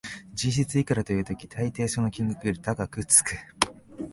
実質いくらという時、たいていその金額より高くつく